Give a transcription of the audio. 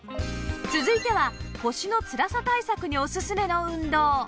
続いては腰のつらさ対策にオススメの運動